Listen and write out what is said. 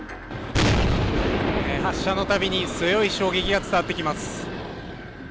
発射のたびに強い衝撃が伝わってきます